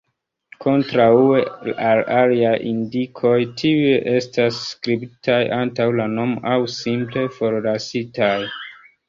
Kontraŭe al aliaj indikoj, tiuj estas skribitaj antaŭ la nomo, aŭ simple forlasitaj.